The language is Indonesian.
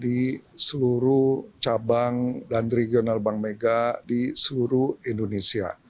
di seluruh cabang dan regional bank mega di seluruh indonesia